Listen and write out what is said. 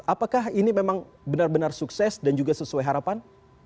apakah ini memang benar benar sukses dan juga sesuai harapan